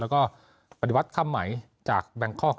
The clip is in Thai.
แล้วก็ปฏิบัติคำใหม่ปฏิบัติรักษณ์จากแบงคล